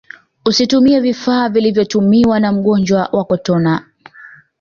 usitumie vifaa vilivyotumiwa na mgonjwa wa kotona